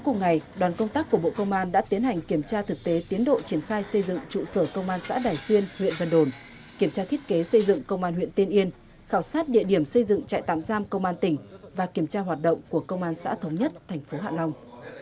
công an đã tiến hành kiểm tra thực tế tiến độ triển khai xây dựng trụ sở công an xã đài xuyên huyện vân đồn kiểm tra thiết kế xây dựng công an huyện tiên yên khảo sát địa điểm xây dựng trại tạm giam công an tỉnh và kiểm tra hoạt động của công an xã thống nhất thành phố hạ long